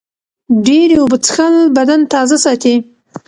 ډېرې اوبه څښل بدن تازه ساتي.